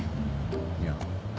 いや。